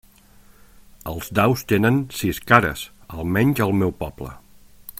Els daus tenen sis cares, almenys al meu poble.